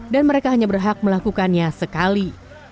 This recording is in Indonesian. mereka hanya berhak melakukannya sekali